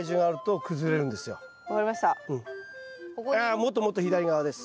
あもっともっと左側です。